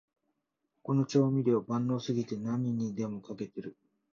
この調味料、万能すぎて何にでもかけてる